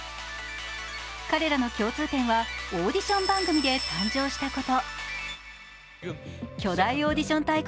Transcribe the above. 彼らの共通点はオーディション番組で誕生したこと。